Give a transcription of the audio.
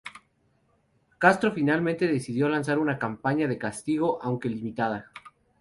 Castro finalmente decidió lanzar una campaña de castigo, aunque limitada.